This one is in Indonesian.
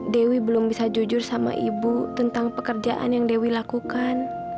dewi belum bisa jujur sama ibu tentang pekerjaan yang dewi lakukan